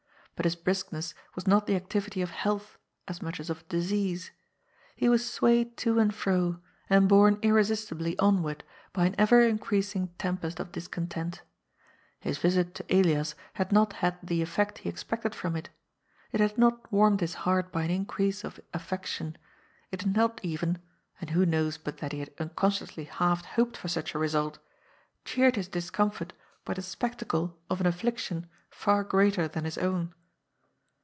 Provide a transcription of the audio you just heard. But his briskness was not the activity ol health as much as of disease. He was swayed to and fro, *and borne irresistibly onward by an ever increasing tempest of discontent. His visit to Elias had not had the effect he expected from it. It had not warmed his heart by an increase of affection ; it had not even — and who knows but that he had unconsciously half hoped for such a result ?— cheered his discomfort by the spectacle of an affliction far greater than his own.